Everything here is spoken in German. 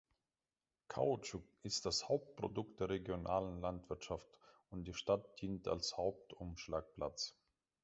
Kautschuk ist das Hauptprodukt der regionalen Landwirtschaft und die Stadt dient als Hauptumschlagplatz.